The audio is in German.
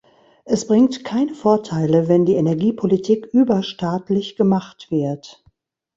Es bringt keine Vorteile, wenn die Energiepolitik überstaatlich gemacht wird.